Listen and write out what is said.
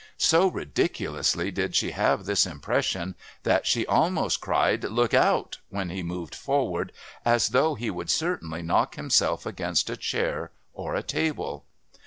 So ridiculously did she have this impression that she almost cried "Look out!" when he moved forward, as though he would certainly knock himself against a chair or a table.